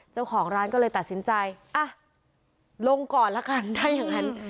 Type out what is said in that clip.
เจ้าของร้านก็เลยตัดสินใจอ่ะลงก่อนละกันถ้าอย่างนั้น